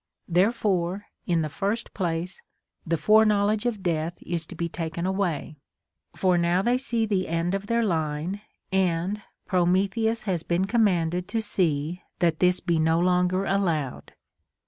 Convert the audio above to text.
Therefore in the first place the foreknowl edge of death is to be taken away ; for now they see the end of their line, and Prometheus has been commanded to see that this be no longer allowed.